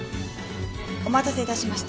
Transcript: お待たせ致しました。